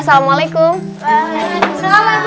ustadzah tinggal sebentar ya